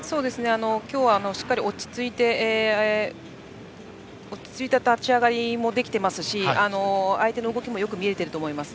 今日はしっかり落ち着いた立ち上がりもできていますし相手の動きもよく見えていると思います。